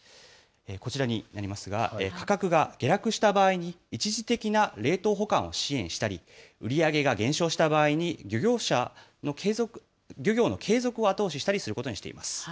こちらになりますが、価格が下落した場合に一時的な冷凍保管を支援したり、売り上げが減少した場合に漁業の継続を後押ししたりすることにしています。